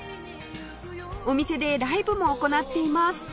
お店でライブも行っています